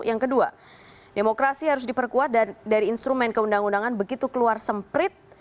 yang kedua demokrasi harus diperkuat dan dari instrumen keundang undangan begitu keluar semprit